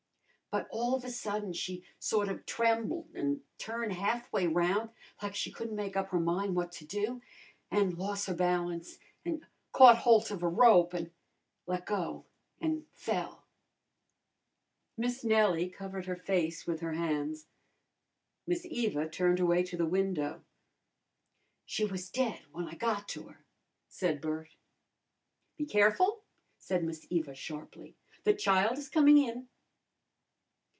But all of a sudden she sort of trem'led an' turned ha'f way roun' like she couldn't make up her min' what to do, an' los' her balance, an' caught holt of a rope an' let go an' fell." Miss Nellie covered her face with her hands. Miss Eva turned away to the window. "She was dead w'en I got to her," said Bert. "Be careful!" said Miss Eva sharply. "The child is coming in."